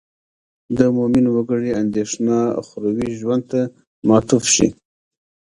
د مومن وګړي اندېښنه اخروي ژوند ته معطوف شي.